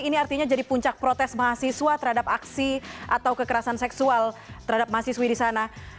ini artinya jadi puncak protes mahasiswa terhadap aksi atau kekerasan seksual terhadap mahasiswi di sana